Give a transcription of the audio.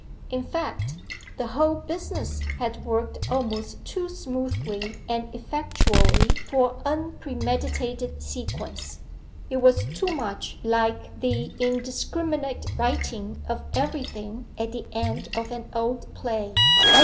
In fact, the whole business had worked almost too smoothly and effectually for unpremeditated sequence. It was too much like the indiscriminate righting of everything at the end of an old play.